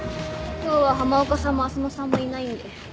今日は浜岡さんも浅野さんもいないんで。